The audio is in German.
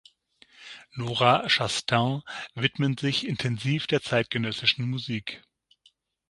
Nora Chastain widmet sich intensiv der zeitgenössischen Musik.